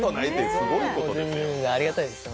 すごいことですよ。